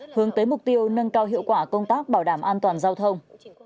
hướng tới mục tiêu nâng cao hiệu quả công tác bảo đảm an toàn giao thông